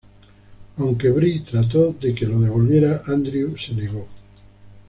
Aunque Bree trató de que lo devolviera, Andrew se negó.